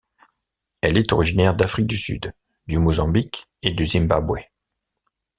Elle est originaire d'Afrique du Sud, du Mozambique et du Zimbabwe.